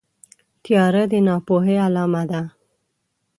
تیاره د ناپوهۍ علامه ده.